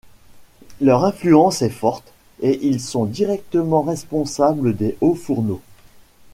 Leur influence est forte, et ils sont directement responsables des hauts fourneaux.